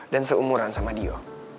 dan seumuran sama dio